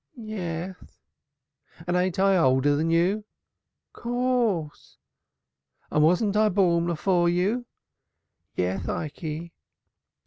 "Yeth." "And ain't I older than you?" "Courth." "And wasn't I born afore you?" "Yeth, Ikey."